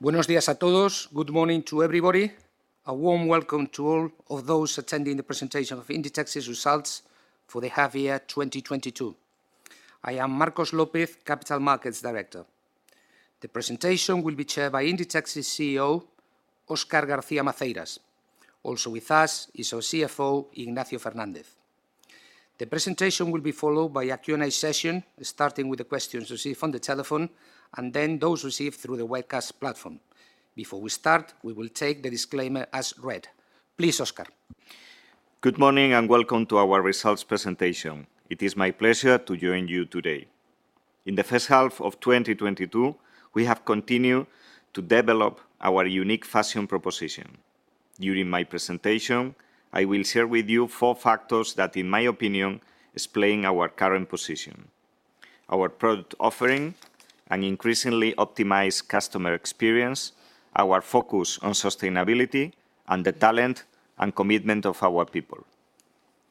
Buenos días a todos. Good morning to everybody. A warm welcome to all of those attending the presentation of Inditex's results for the half year 2022. I am Marcos López, Capital Markets Director. The presentation will be chaired by Inditex's CEO, Óscar García Maceiras. Also with us is our CFO, Ignacio Fernández. The presentation will be followed by a Q&A session, starting with the questions received on the telephone and then those received through the webcast platform. Before we start, we will take the disclaimer as read. Please, Óscar. Good morning and welcome to our results presentation. It is my pleasure to join you today. In the H1 of 2022, we have continued to develop our unique fashion proposition. During my presentation, I will share with you 4 factors that, in my opinion, explain our current position, our product offering, an increasingly optimized customer experience, our focus on sustainability, and the talent and commitment of our people.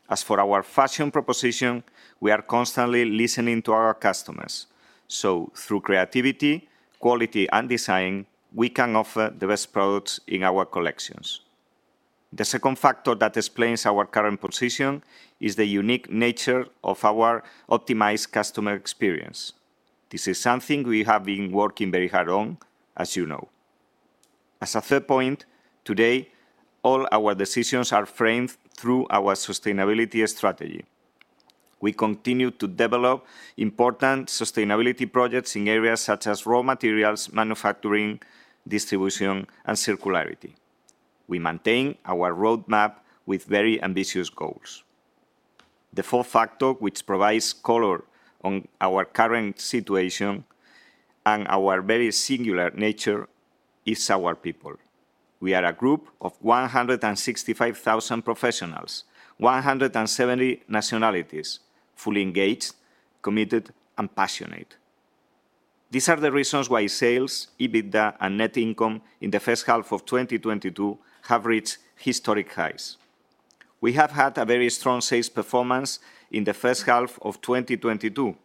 As for our fashion proposition, we are constantly listening to our customers. Through creativity, quality, and design, we can offer the best products in our collections. The second factor that explains our current position is the unique nature of our optimized customer experience. This is something we have been working very hard on, as you know. As a third point, today, all our decisions are framed through our sustainability strategy. We continue to develop important sustainability projects in areas such as raw materials, manufacturing, distribution, and circularity. We maintain our roadmap with very ambitious goals. The fourth factor which provides color on our current situation and our very singular nature is our people. We are a group of 165,000 professionals, 170 nationalities, fully engaged, committed, and passionate. These are the reasons why sales, EBITDA, and net income in the H1 of 2022 have reached historic highs. We have had a very strong sales performance in the H1 of 2022,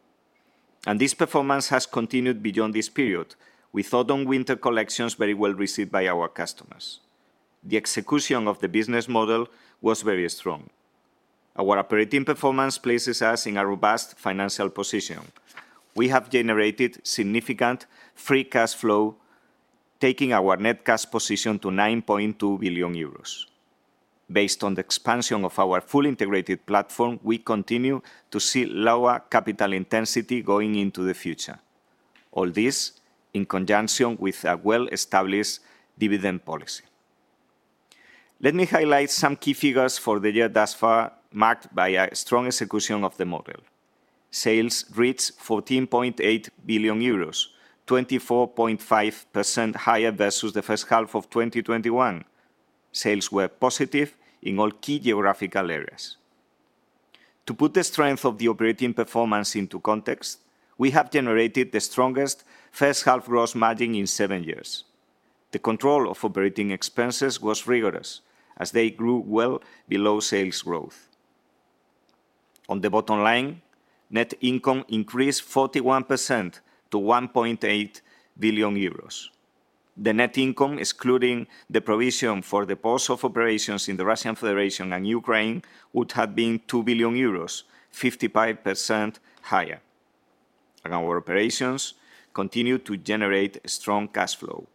and this performance has continued beyond this period, with autumn/winter collections very well-received by our customers. The execution of the business model was very strong. Our operating performance places us in a robust financial position. We have generated significant free cash flow, taking our net cash position to 9.2 billion euros. Based on the expansion of our fully integrated platform, we continue to see lower capital intensity going into the future. All this in conjunction with a well-established dividend policy. Let me highlight some key figures for the year thus far, marked by a strong execution of the model. Sales reached 14.8 billion euros, 24.5% higher versus the H1 of 2021. Sales were positive in all key geographical areas. To put the strength of the operating performance into context, we have generated the strongest H1 gross margin in seven years. The control of operating expenses was rigorous, as they grew well below sales growth. On the bottom line, net income increased 41% to 1.8 billion euros. The net income, excluding the provision for the pause of operations in the Russian Federation and Ukraine, would have been 2 billion euros, 55% higher. Our operations continue to generate strong cash flow.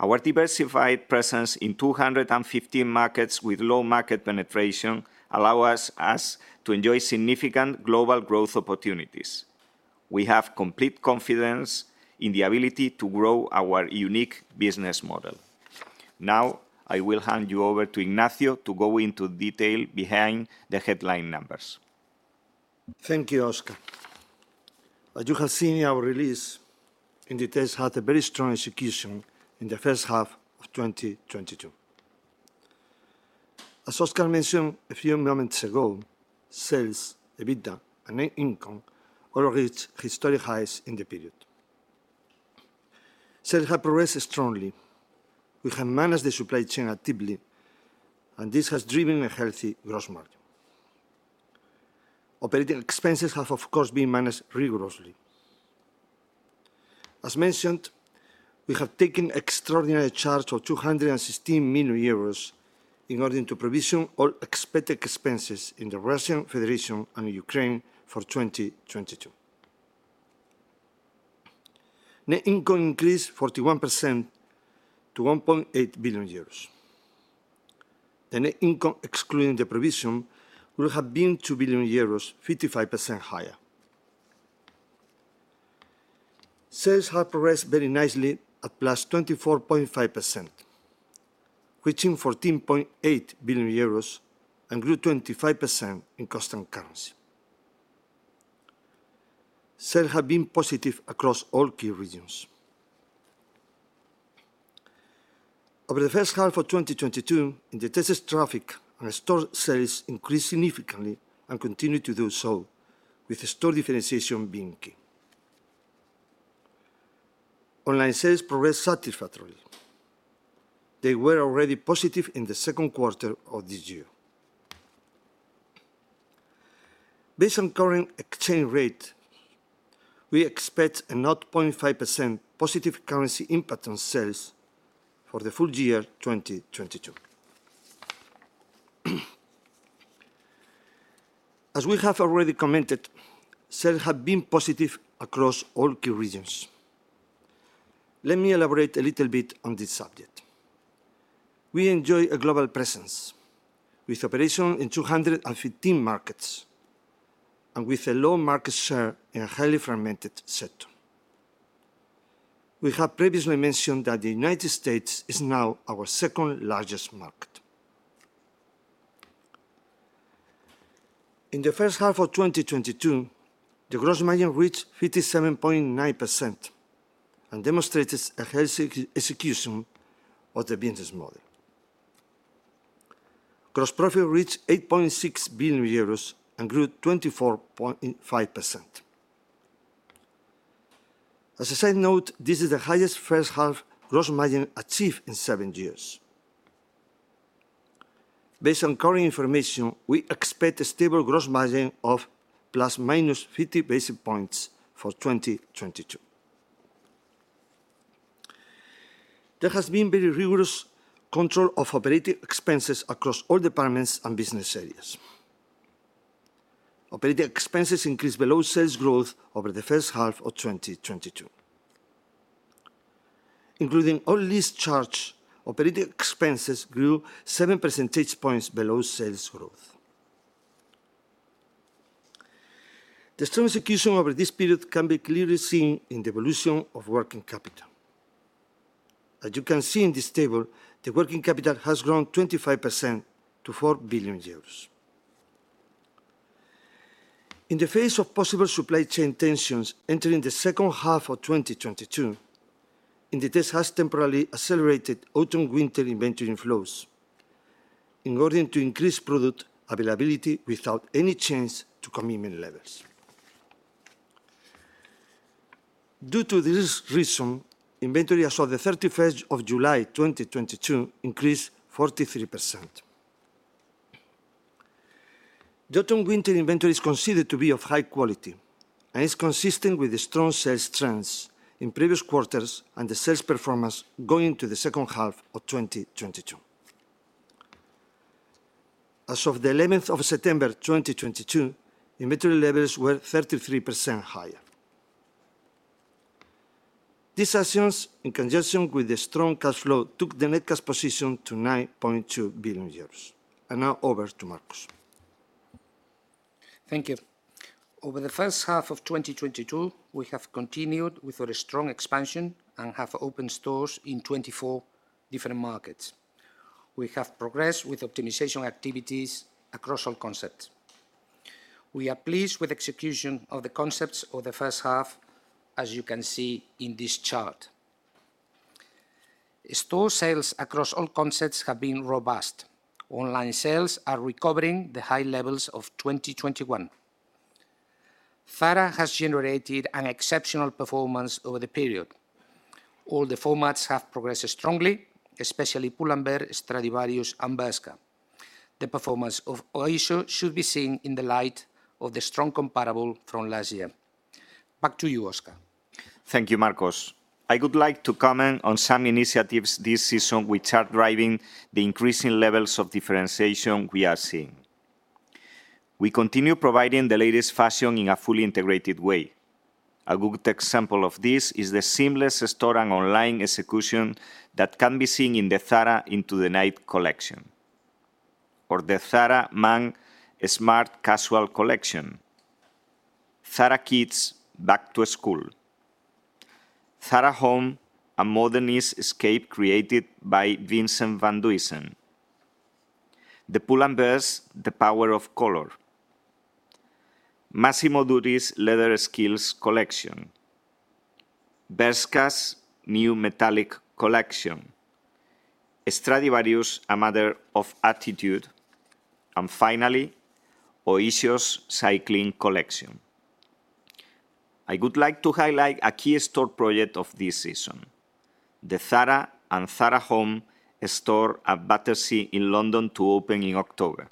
Our diversified presence in 250 markets with low market penetration allow us to enjoy significant global growth opportunities. We have complete confidence in the ability to grow our unique business model. Now, I will hand you over to Ignacio to go into detail behind the headline numbers. Thank you, Óscar. As you have seen in our release, Inditex had a very strong execution in the H1 of 2022. As Óscar mentioned a few moments ago, sales, EBITDA, and net income all reached historic highs in the period. Sales have progressed strongly. We have managed the supply chain actively, and this has driven a healthy gross margin. Operating expenses have, of course, been managed rigorously. As mentioned, we have taken extraordinary charge of 216 million euros in order to provision all expected expenses in the Russian Federation and Ukraine for 2022. Net income increased 41% to 1.8 billion euros. The net income, excluding the provision, would have been 2 billion euros, 55% higher. Sales have progressed very nicely at +24.5%, reaching 14.8 billion euros, and grew 25% in constant currency. Sales have been positive across all key regions. Over the H1 of 2022, Inditex's traffic and store sales increased significantly and continue to do so, with store differentiation being key. Online sales progressed satisfactorily. They were already positive in the Q2 of this year. Based on current exchange rate, we expect a 0.5% positive currency impact on sales for the full year 2022. As we have already commented, sales have been positive across all key regions. Let me elaborate a little bit on this subject. We enjoy a global presence with operations in 215 markets and with a low market share in a highly fragmented sector. We have previously mentioned that the United States is now our second largest market. In the H1 of 2022, the gross margin reached 57.9% and demonstrated a healthy execution of the business model. Gross profit reached 8.6 billion euros and grew 24.5%. As a side note, this is the highest H1 gross margin achieved in 7 years. Based on current information, we expect a stable gross margin of ±50 basis points for 2022. There has been very rigorous control of operating expenses across all departments and business areas. Operating expenses increased below sales growth over the H1 of 2022. Including all lease charge, operating expenses grew 7 percentage points below sales growth. The strong execution over this period can be clearly seen in the evolution of working capital. As you can see in this table, the working capital has grown 25% to 4 billion euros. In the face of possible supply chain tensions entering the H2 of 2022, Inditex has temporarily accelerated autumn/winter inventory inflows in order to increase product availability without any change to commitment levels. Due to this reason, inventory as of July 31, 2022 increased 43%. The autumn/winter inventory is considered to be of high quality and is consistent with the strong sales trends in previous quarters and the sales performance going into the H2 of 2022. As of September 11, 2022, inventory levels were 33% higher. These actions, in conjunction with the strong cash flow, took the net cash position to 9.2 billion euros. Now over to Marcos. Thank you. Over the H1 of 2022, we have continued with our strong expansion and have opened stores in 24 different markets. We have progressed with optimization activities across all concepts. We are pleased with execution of the concepts of the H1, as you can see in this chart. Store sales across all concepts have been robust. Online sales are recovering the high levels of 2021. ZARA has generated an exceptional performance over the period. All the formats have progressed strongly, especially Pull&Bear, Stradivarius, and Bershka. The performance of Oysho should be seen in the light of the strong comparable from last year. Back to you, Óscar. Thank you, Marcos. I would like to comment on some initiatives this season which are driving the increasing levels of differentiation we are seeing. We continue providing the latest fashion in a fully integrated way. A good example of this is the seamless store and online execution that can be seen in the ZARA Into the Night collection or the ZARA Man Smart Casual collection, ZARA Kids Back to School, ZARA Home: A Modernist Escape created by Vincent Van Duysen, the Pull&Bear's The Power of Color, Massimo Dutti's Leather Skills collection, Bershka's New Metallic collection, Stradivarius: A Matter of Attitude, and finally, Oysho's Cycling collection. I would like to highlight a key store project of this season, the ZARA and ZARA Home store at Battersea in London, to open in October.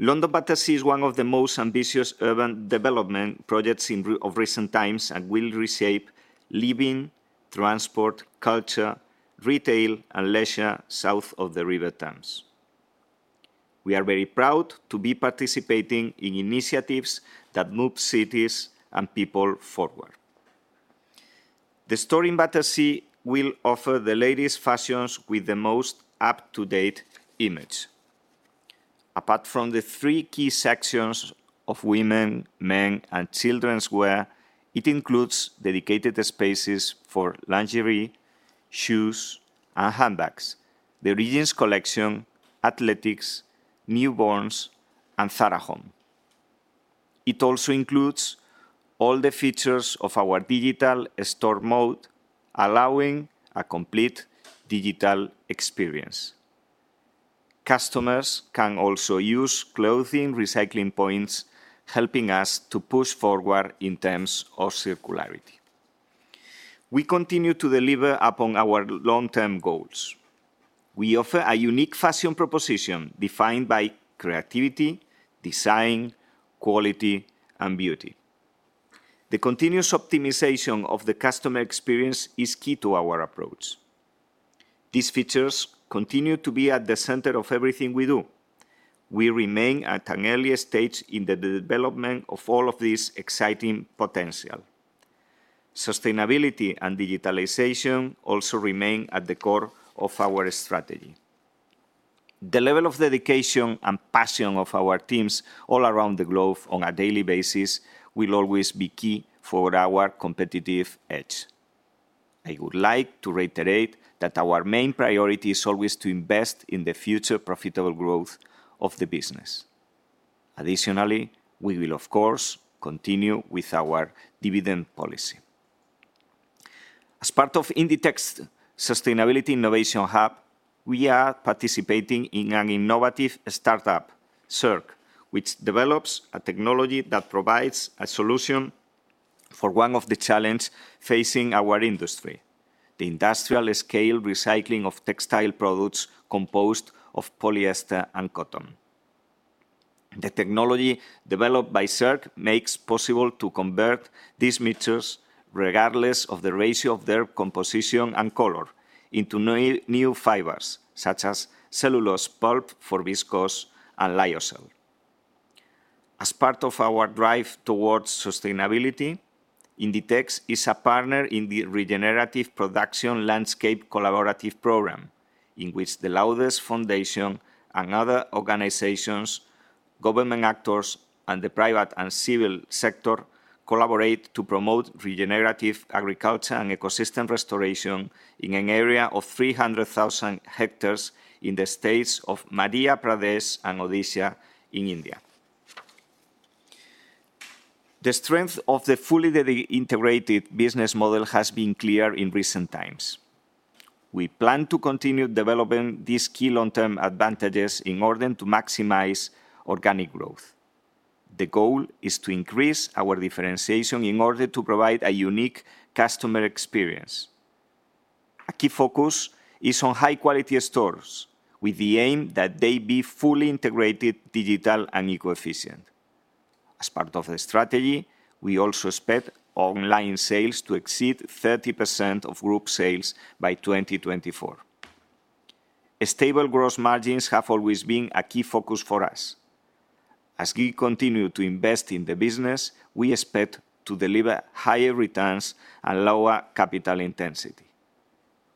London Battersea is one of the most ambitious urban development projects in recent times and will reshape living, transport, culture, retail, and leisure south of the River Thames. We are very proud to be participating in initiatives that move cities and people forward. The store in Battersea will offer the latest fashions with the most up-to-date image. Apart from the three key sections of women, men, and children's wear, it includes dedicated spaces for lingerie, shoes, and handbags, the Origins collection, athletics, newborns, and ZARA Home. It also includes all the features of our digital store mode, allowing a complete digital experience. Customers can also use clothing recycling points, helping us to push forward in terms of circularity. We continue to deliver upon our long-term goals. We offer a unique fashion proposition defined by creativity, design, quality, and beauty. The continuous optimization of the customer experience is key to our approach. These features continue to be at the center of everything we do. We remain at an early stage in the development of all of this exciting potential. Sustainability and digitalization also remain at the core of our strategy. The level of dedication and passion of our teams all around the globe on a daily basis will always be key for our competitive edge. I would like to reiterate that our main priority is always to invest in the future profitable growth of the business. Additionally, we will of course continue with our dividend policy. As part of Inditex Sustainability Innovation Hub, we are participating in an innovative startup, Circ, which develops a technology that provides a solution for one of the challenge facing our industry, the industrial-scale recycling of textile products composed of polyester and cotton. The technology developed by Circ makes possible to convert these mixtures regardless of the ratio of their composition and color into new fibers, such as cellulose pulp for viscose and lyocell. As part of our drive towards sustainability, Inditex is a partner in the Regenerative Production Landscape Collaborative, in which the Laudes Foundation and other organizations, government actors, and the private and civil sector collaborate to promote regenerative agriculture and ecosystem restoration in an area of 300,000 hectares in the states of Madhya Pradesh and Odisha in India. The strength of the fully integrated business model has been clear in recent times. We plan to continue developing these key long-term advantages in order to maximize organic growth. The goal is to increase our differentiation in order to provide a unique customer experience. A key focus is on high quality stores with the aim that they be fully integrated, digital, and eco-efficient. As part of the strategy, we also expect online sales to exceed 30% of group sales by 2024. A stable gross margins have always been a key focus for us. As we continue to invest in the business, we expect to deliver higher returns and lower capital intensity.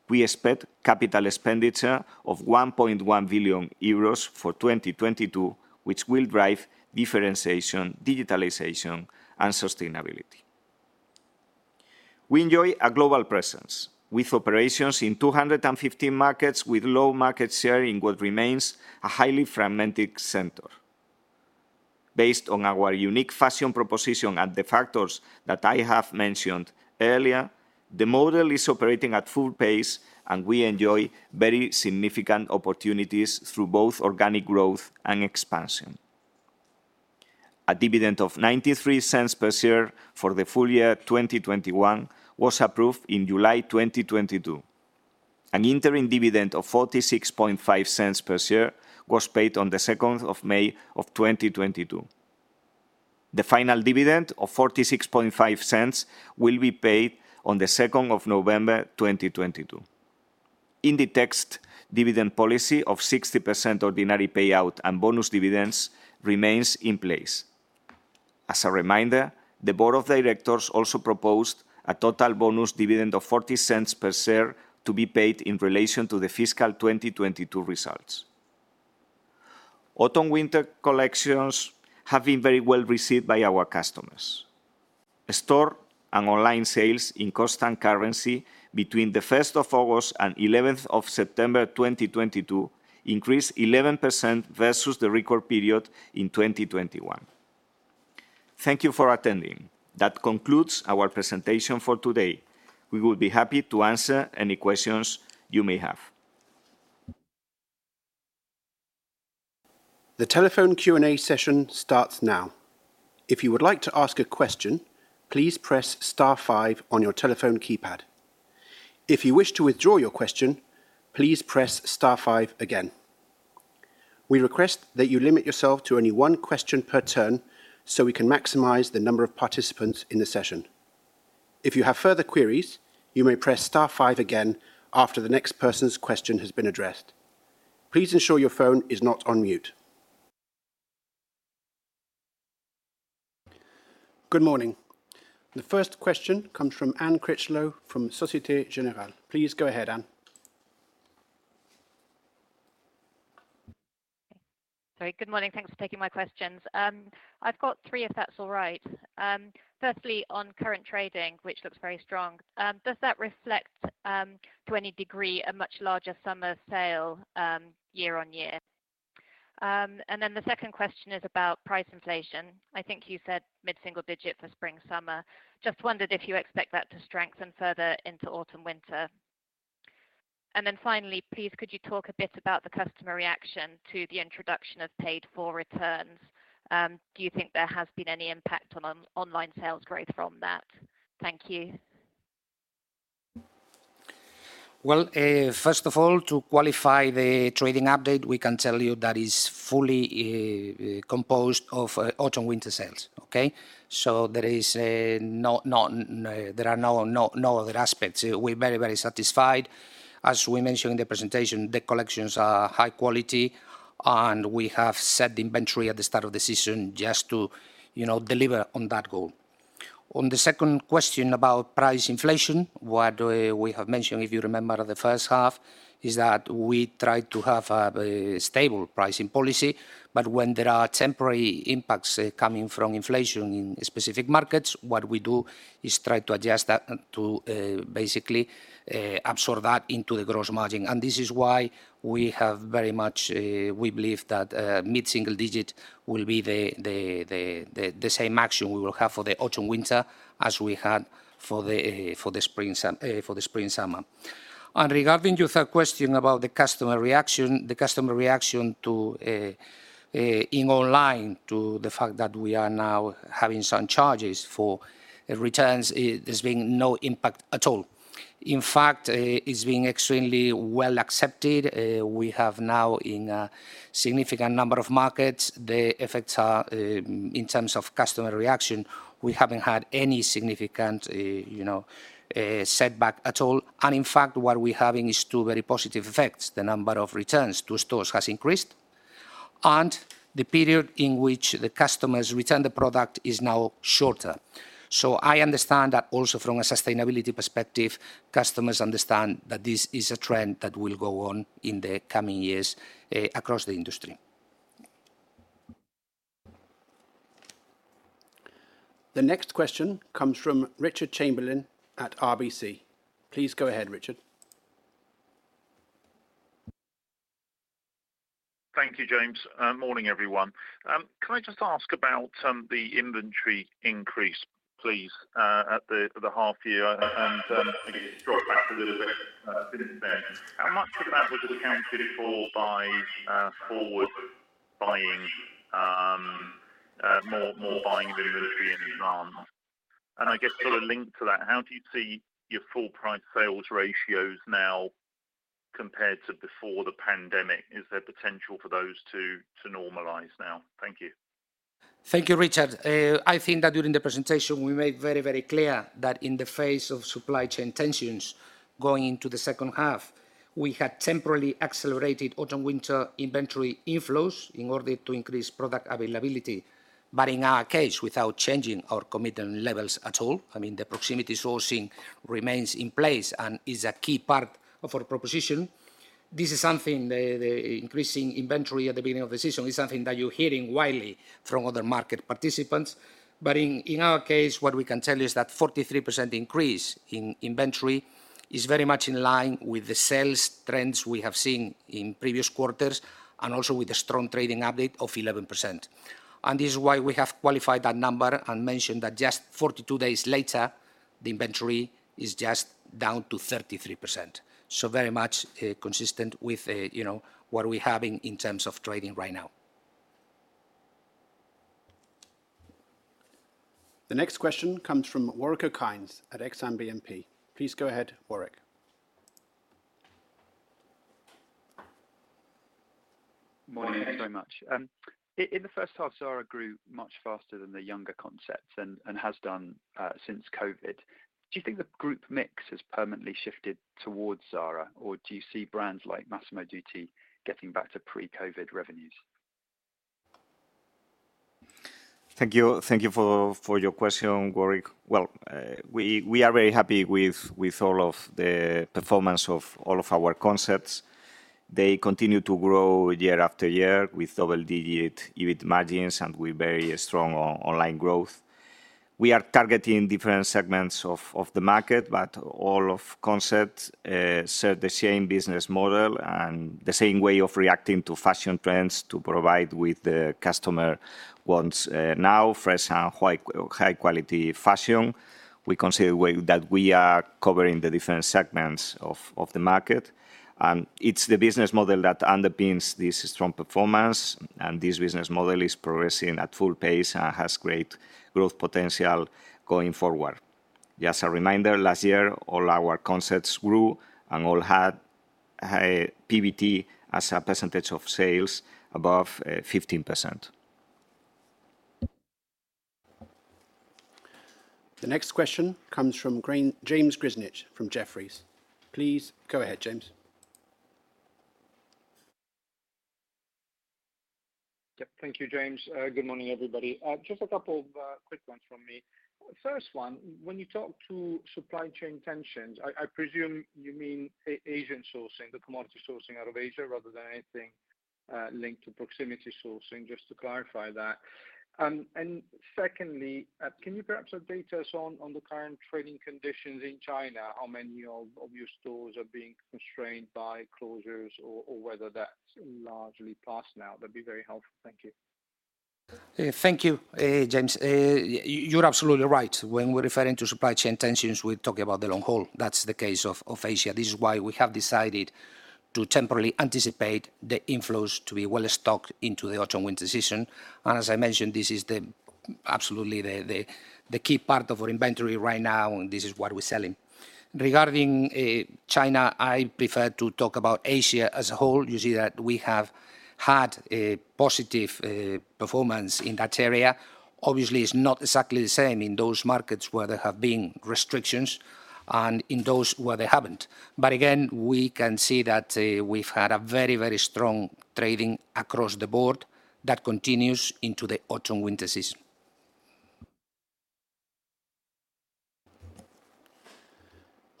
We expect capital expenditure of 1.1 billion euros for 2022, which will drive differentiation, digitalization, and sustainability. We enjoy a global presence with operations in 215 markets with low market share in what remains a highly fragmented sector. Based on our unique fashion proposition and the factors that I have mentioned earlier, the model is operating at full pace, and we enjoy very significant opportunities through both organic growth and expansion. A dividend of 0.93 per share for the full year 2021 was approved in July 2022. An interim dividend of 0.465 per share was paid on the 2nd of May of 2022. The final dividend of 0.465 will be paid on the 2nd of November 2022. Inditex dividend policy of 60% ordinary payout and bonus dividends remains in place. As a reminder, the board of directors also proposed a total bonus dividend of 0.40 per share to be paid in relation to the fiscal 2022 results. Autumn winter collections have been very well received by our customers. Store and online sales in constant currency between the 1st of August and 11th of September 2022 increased 11% versus the record period in 2021. Thank you for attending. That concludes our presentation for today. We will be happy to answer any questions you may have. The telephone Q&A session starts now. If you would like to ask a question, please press star five on your telephone keypad. If you wish to withdraw your question, please press star five again. We request that you limit yourself to only one question per turn so we can maximize the number of participants in the session. If you have further queries, you may press star five again after the next person's question has been addressed. Please ensure your phone is not on mute. Good morning. The first question comes from Anne Critchlow from Societe Generale. Please go ahead, Anne. Sorry. Good morning. Thanks for taking my questions. I've got three, if that's all right. Firstly, on current trading, which looks very strong, does that reflect, to any degree, a much larger summer sale, year on year? The second question is about price inflation. I think you said mid-single digit for spring/summer. Just wondered if you expect that to strengthen further into autumn/winter. Finally, please could you talk a bit about the customer reaction to the introduction of paid for returns? Do you think there has been any impact on online sales growth from that? Thank you. Well, first of all, to qualify the trading update, we can tell you that is fully composed of autumn winter sales. Okay. There are no other aspects. We are very satisfied. As we mentioned in the presentation, the collections are high quality, and we have set inventory at the start of the season just to you know deliver on that goal. On the second question about price inflation, what we have mentioned, if you remember the H1, is that we try to have a stable pricing policy. When there are temporary impacts coming from inflation in specific markets, what we do is try to adjust that and to basically absorb that into the gross margin. This is why we have very much, we believe that mid-single digit will be the same action we will have for the autumn winter as we had for the spring summer. Regarding your third question about the customer reaction to the fact that we are now having some charges for returns, there's been no impact at all. In fact, it's been extremely well accepted. We have now in a significant number of markets, the effects are in terms of customer reaction, we haven't had any significant, you know, setback at all. In fact, what we're having is two very positive effects. The number of returns to stores has increased, and the period in which the customers return the product is now shorter. I understand that also from a sustainability perspective, customers understand that this is a trend that will go on in the coming years, across the industry. The next question comes from Richard Chamberlain at RBC. Please go ahead, Richard. Thank you, James. Morning, everyone. Can I just ask about the inventory increase, please, at the half year and maybe just draw it back a little bit since then. How much of that was accounted for by forward buying, more buying of inventory in advance? I guess sort of linked to that, how do you see your full price sales ratios now compared to before the pandemic? Is there potential for those to normalize now? Thank you. Thank you, Richard. I think that during the presentation, we made very, very clear that in the face of supply chain tensions going into the H2, we had temporarily accelerated autumn winter inventory inflows in order to increase product availability. In our case, without changing our commitment levels at all, I mean, the proximity sourcing remains in place and is a key part of our proposition. This is something, the increasing inventory at the beginning of the season is something that you're hearing widely from other market participants. In our case, what we can tell you is that 43% increase in inventory is very much in line with the sales trends we have seen in previous quarters, and also with a strong trading update of 11%. This is why we have qualified that number and mentioned that just 42 days later, the inventory is just down to 33%. Very much consistent with, you know, what we have in terms of trading right now. The next question comes from Warwick Okines at Exane BNP Paribas. Please go ahead, Warwick. Morning. Thank you so much. In the H1, ZARA grew much faster than the younger concepts and has done since COVID. Do you think the group mix has permanently shifted towards ZARA, or do you see brands like Massimo Dutti getting back to pre-COVID revenues? Thank you for your question, Warwick. Well, we are very happy with all of the performance of all of our concepts. They continue to grow year after year with double-digit EBIT margins and with very strong online growth. We are targeting different segments of the market, but all of concepts serve the same business model and the same way of reacting to fashion trends to provide with the customer wants now, fresh and high quality fashion. We consider way that we are covering the different segments of the market. It's the business model that underpins this strong performance, and this business model is progressing at full pace and has great growth potential going forward. Just a reminder, last year, all our concepts grew and all had high PBT as a percentage of sales above 15%. The next question comes from James Grzinic from Jefferies. Please go ahead, James. Yep. Thank you, James. Good morning, everybody. Just a couple of quick ones from me. First one, when you talk to supply chain tensions, I presume you mean Asian sourcing, the commodity sourcing out of Asia rather than anything linked to proximity sourcing, just to clarify that. Secondly, can you perhaps update us on the current trading conditions in China? How many of your stores are being constrained by closures or whether that's largely passed now? That'd be very helpful. Thank you. Thank you, James. You're absolutely right. When we're referring to supply chain tensions, we're talking about the long haul. That's the case of Asia. This is why we have decided to temporarily anticipate the inflows to be well-stocked into the autumn-winter season. As I mentioned, this is absolutely the key part of our inventory right now, and this is what we're selling. Regarding China, I prefer to talk about Asia as a whole. You see that we have had a positive performance in that area. Obviously, it's not exactly the same in those markets where there have been restrictions and in those where they haven't. Again, we can see that we've had a very strong trading across the board that continues into the autumn-winter season.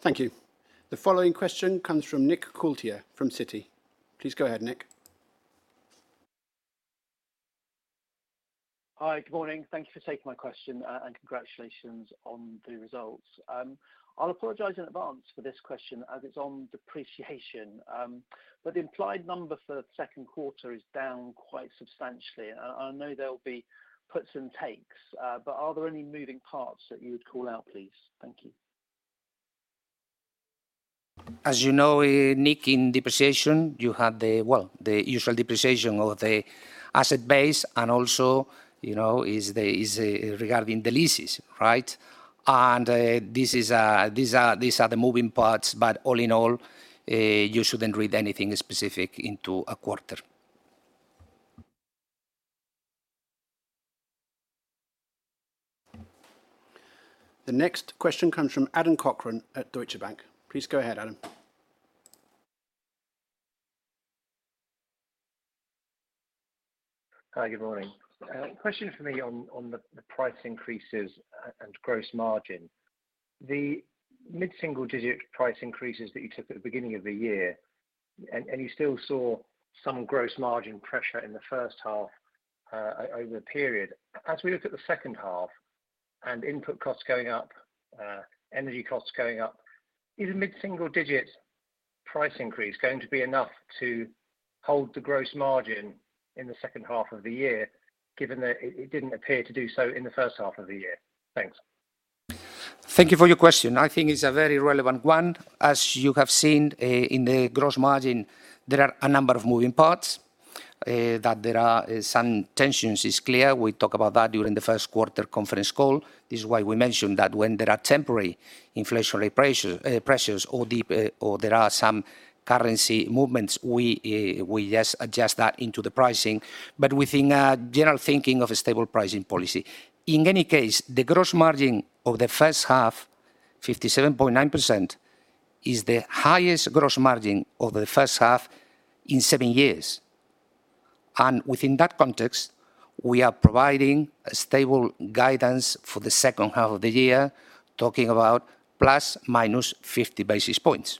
Thank you. The following question comes from Nick Coulter from Citi. Please go ahead, Nick. Hi. Good morning. Thank you for taking my question, and congratulations on the results. I'll apologize in advance for this question as it's on depreciation. The implied number for Q2 is down quite substantially. I know there'll be puts and takes, but are there any moving parts that you would call out, please? Thank you. As you know, Nick, in depreciation, you have, well, the usual depreciation of the asset base, and also, you know, regarding the leases, right? These are the moving parts. All in all, you shouldn't read anything specific into a quarter. The next question comes from Adam Cochrane at Deutsche Bank. Please go ahead, Adam. Hi, good morning. Question for me on the price increases and gross margin. The mid-single-digit price increases that you took at the beginning of the year, and you still saw some gross margin pressure in the H1 over the period. As we look at the H2 and input costs going up, energy costs going up, is mid-single-digit price increase going to be enough to hold the gross margin in the H2 of the year, given that it didn't appear to do so in the H1 of the year? Thanks. Thank you for your question. I think it's a very relevant one. As you have seen, in the gross margin, there are a number of moving parts, some tensions, it's clear. We talked about that during the Q1 conference call. This is why we mentioned that when there are temporary inflationary pressures or there are some currency movements, we just adjust that into the pricing, but within a general thinking of a stable pricing policy. In any case, the gross margin of the H1, 57.9%, is the highest gross margin of the H1 in seven years. Within that context, we are providing a stable guidance for the H2 of the year, talking about ±50 basis points.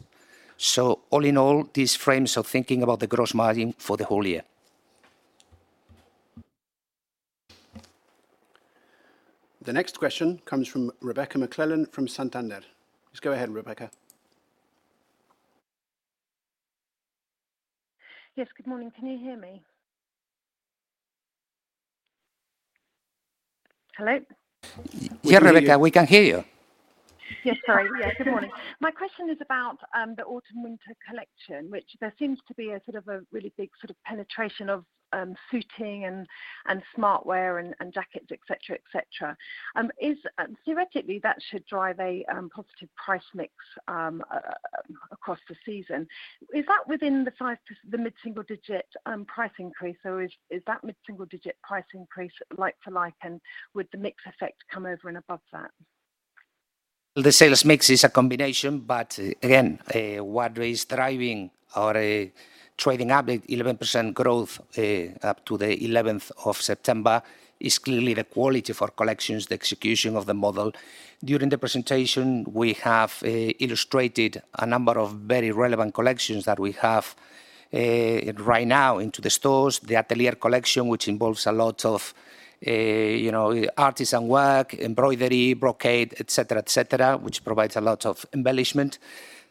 All in all, these frames of thinking about the gross margin for the whole year. The next question comes from Rebecca McClellan from Santander. Please go ahead, Rebecca. Yes. Good morning. Can you hear me? Hello? Yeah, Rebecca, we can hear you. Yes. Sorry. Yeah. Good morning. My question is about the autumn-winter collection, which there seems to be a sort of a really big sort of penetration of suiting and smart wear and jackets, et cetera. Theoretically, that should drive a positive price mix across the season. Is that within the mid-single-digit price increase, or is that mid-single-digit price increase like for like, and would the mix effect come over and above that? The sales mix is a combination, but again, what is driving our trading update 11% growth up to the 11th of September is clearly the quality for collections, the execution of the model. During the presentation, we have illustrated a number of very relevant collections that we have right now into the stores. The Atelier collection, which involves a lot of, you know, artisan work, embroidery, brocade, et cetera, et cetera, which provides a lot of embellishment.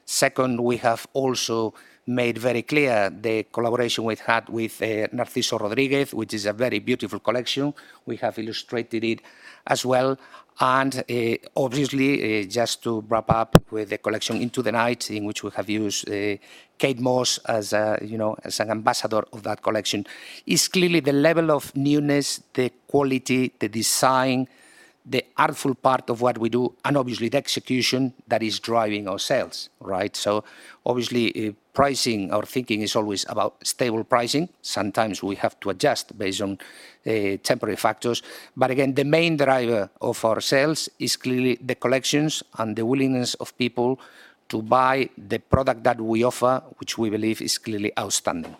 Second, we have also made very clear the collaboration we've had with Narciso Rodriguez, which is a very beautiful collection. We have illustrated it as well. Obviously, just to wrap up with the collection Into the Night, in which we have used Kate Moss as, you know, as an ambassador of that collection, is clearly the level of newness, the quality, the design, the artful part of what we do, and obviously the execution that is driving our sales, right? Obviously, pricing, our thinking is always about stable pricing. Sometimes we have to adjust based on temporary factors. Again, the main driver of our sales is clearly the collections and the willingness of people to buy the product that we offer, which we believe is clearly outstanding.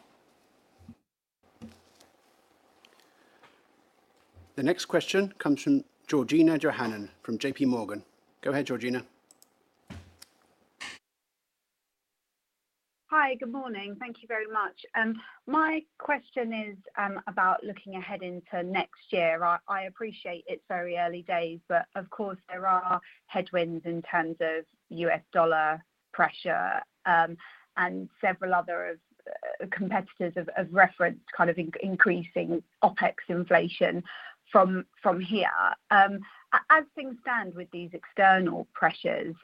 The next question comes from Georgina Johanan from JPMorgan. Go ahead, Georgina. Hi. Good morning. Thank you very much. My question is about looking ahead into next year. I appreciate it's very early days, but of course, there are headwinds in terms of U.S. dollar pressure, and several other of the competitors of reference kind of increasing OpEx inflation from here. As things stand with these external pressures,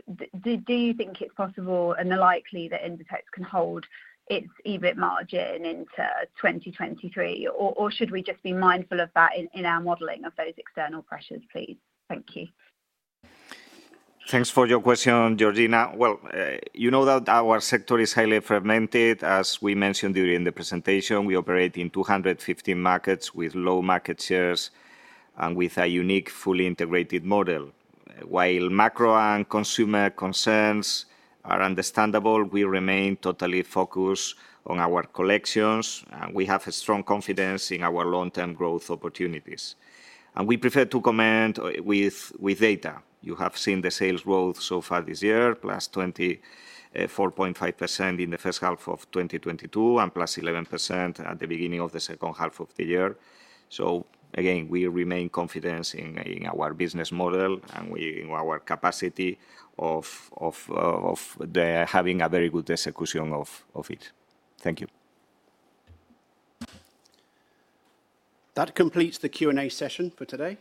do you think it's possible and likely that Inditex can hold its EBIT margin into 2023? Or should we just be mindful of that in our modeling of those external pressures, please? Thank you. Thanks for your question, Georgina. Well, you know that our sector is highly fragmented. As we mentioned during the presentation, we operate in 215 markets with low market shares and with a unique, fully integrated model. While macro and consumer concerns are understandable, we remain totally focused on our collections, and we have a strong confidence in our long-term growth opportunities. We prefer to comment with data. You have seen the sales growth so far this year, +24.5% in the H1 of 2022, and +11% at the beginning of the H2 of the year. We remain confident in our business model and in our capacity of having a very good execution of it. Thank you. That completes the Q&A session for today.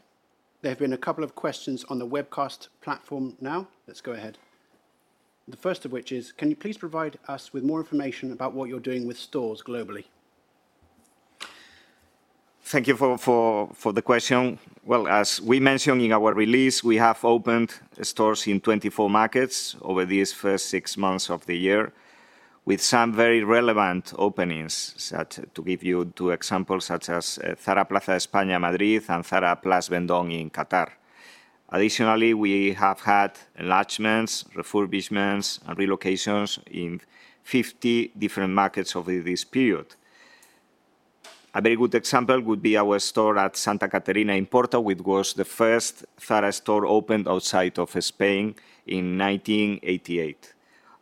There have been a couple of questions on the webcast platform now. Let's go ahead. The first of which is, can you please provide us with more information about what you're doing with stores globally? Thank you for the question. Well, as we mentioned in our release, we have opened stores in 24 markets over these first 6 months of the year, with some very relevant openings. To give you 2 examples, such as ZARA Plaza España, Madrid, and ZARA Place Vendôme in Qatar. Additionally, we have had enlargements, refurbishments, and relocations in 50 different markets over this period. A very good example would be our store at Santa Caterina in Porto, which was the first ZARA store opened outside of Spain in 1988.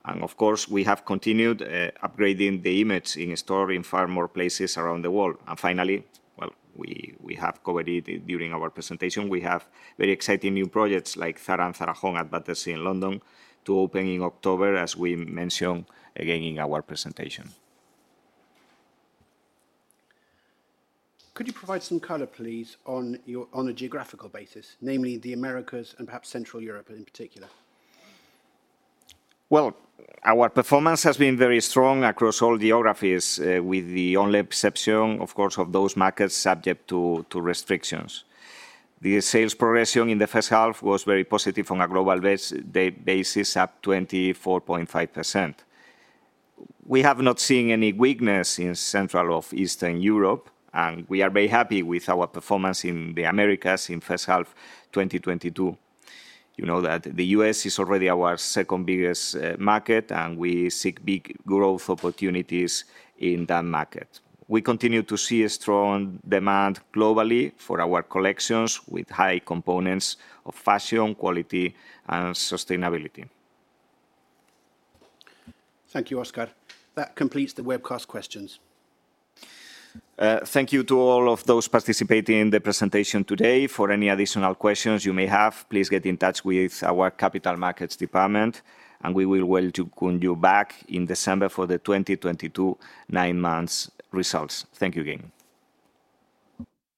Of course, we have continued upgrading the image in store in far more places around the world. Finally, well, we have covered it during our presentation. We have very exciting new projects like ZARA and ZARA Home at Battersea in London to open in October, as we mentioned again in our presentation. Could you provide some color, please, on a geographical basis, namely the Americas and perhaps Central Europe in particular? Well, our performance has been very strong across all geographies, with the only exception, of course, of those markets subject to restrictions. The sales progression in the H1 was very positive on a global basis, up 24.5%. We have not seen any weakness in Central or Eastern Europe, and we are very happy with our performance in the Americas in H1 of 2022. You know that the US is already our second-biggest market, and we seek big growth opportunities in that market. We continue to see a strong demand globally for our collections with high components of fashion, quality, and sustainability. Thank you, Óscar. That completes the webcast questions. Thank you to all of those participating in the presentation today. For any additional questions you may have, please get in touch with our capital markets department, and we will get back to you in December for the 2022 nine months results. Thank you again.